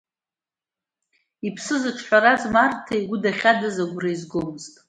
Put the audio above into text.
Иԥсы зыҿҳәараз Марҭа игәы дахьадыз агәра изгомызт.